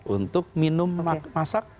untuk minum masak